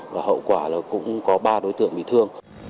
và hậu quả là cũng có ba đối tượng bị thương